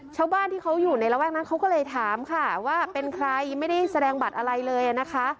ชาวบ้านที่เขาอยู่ในระแวกนั้นเขาก็เลยถามค่ะว่าเป็นใครไม่ได้แสดงบัตรอะไรเลยนะคะ